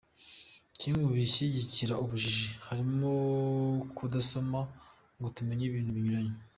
Kimwe mu bishyigikira ubujiji harimo kudasoma, ngo tumenye ibintu binyuranye.